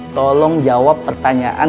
tolong jawab pertanyaan kamu